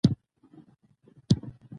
اوښ د افغان تاریخ په کتابونو کې ذکر شوی دي.